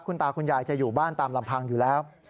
คุณตาคุณยายจะอยู่บ้านตามลำพังอยู่แล้ว